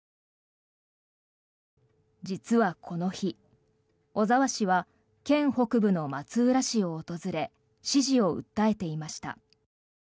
実はこの日、小沢氏は県北部の松浦市を訪れ支持を訴えていました。